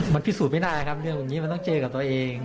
แม้ต้องจริงมันพิสูจน์ไม่ได้มันต้องเจอกับตัวเอง